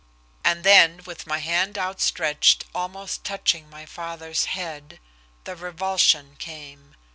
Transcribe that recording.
And then, with my hand outstretched, almost touching my father's head, the revulsion came.